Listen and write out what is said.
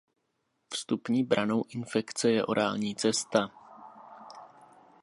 Vstupní branou infekce je orální cesta.